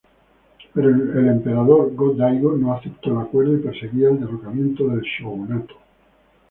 Pero el emperador Go-Daigo no aceptó el acuerdo y perseguía el derrocamiento del shogunato.